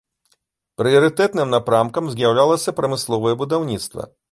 Прыярытэтным напрамкам з'яўлялася прамысловае будаўніцтва.